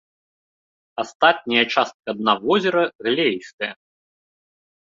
Астатняя частка дна возера глеістая.